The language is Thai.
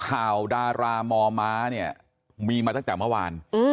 ดารามอม้าเนี่ยมีมาตั้งแต่เมื่อวาน